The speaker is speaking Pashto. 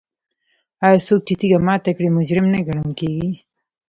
آیا څوک چې تیږه ماته کړي مجرم نه ګڼل کیږي؟